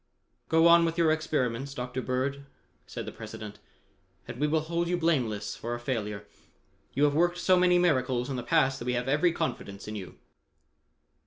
"Go on with your experiments, Dr. Bird," said the President, "and we will hold you blameless for a failure. You have worked so many miracles in the past that we have every confidence in you."